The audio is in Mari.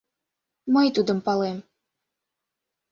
— Мый тудым палем.